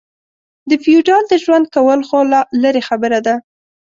د فېوډال د ژوند کول خو لا لرې خبره ده.